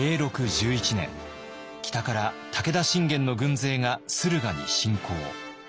１１年北から武田信玄の軍勢が駿河に侵攻。